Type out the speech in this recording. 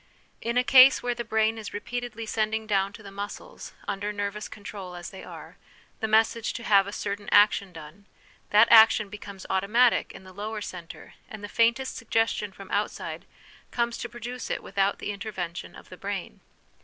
In a case where the brain is repeatedly sending down to the muscles, under nervous control as they are, the message to have a certain action done, that action becomes automatic in the lower centre, and the faintest suggestion from outside comes to produce it without the intervention of the brain.